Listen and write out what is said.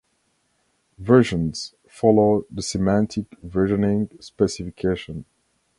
Versions follow the semantic versioning specification